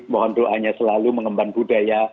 mohon doanya selalu mengemban budaya